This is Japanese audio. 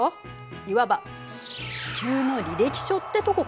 いわば地球の履歴書ってとこかしら。